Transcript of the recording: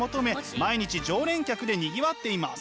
毎日常連客でにぎわっています。